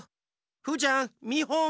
フーちゃんみほん。